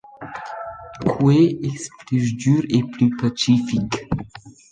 Que es plü sgür e plü pachific.